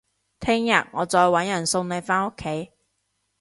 聽日我再搵人送你返屋企